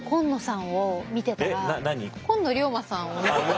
今野龍馬さんを見てたら。